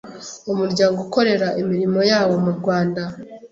Umuryango ukorera imirimo yawo mu Rwanda